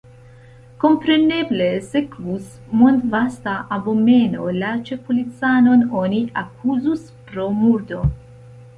Kompreneble sekvus mondvasta abomeno, la ĉefpolicanon oni akuzus pro murdo.